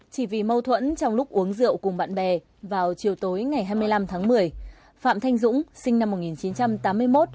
chỉ vì mâu thuẫn trong lúc uống rượu cùng bạn bè vào chiều tối ngày hai mươi năm tháng một mươi phạm thanh dũng sinh năm một nghìn chín trăm tám mươi một